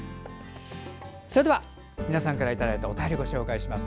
それでは皆さんからいただいたお便りをご紹介します